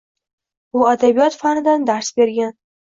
U adabiyot fanidan dars bergan.